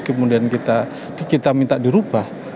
kemudian kita minta dirubah